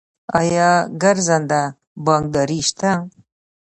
آیا ګرځنده بانکداري شته؟